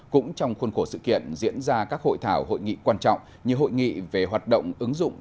cũng trong khuôn khổ sự kiện diễn ra các hội thảo hội nghị quan trọng như hội nghị về hoạt động ứng dụng